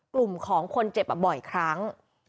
กลุ่มของคนเจ็บบ่อยครั้ง